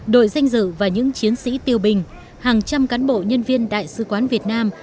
đội danh dự và những chiến sĩ tiêu bình hàng trăm cán bộ nhân viên đại sứ quán việt nam